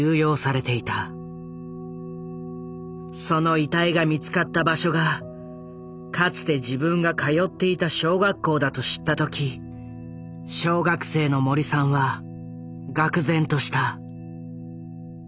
その遺体が見つかった場所がかつて自分が通っていた小学校だと知った時小学生の森さんはがく然とした。